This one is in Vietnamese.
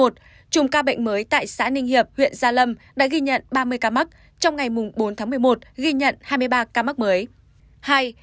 chùm ca bệnh mới tại xã ninh hiệp huyện gia lâm đã ghi nhận ba mươi ca mắc trong ngày bốn tháng một mươi một ghi nhận hai mươi ba ca mắc mới